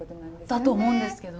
だと思うんですけど。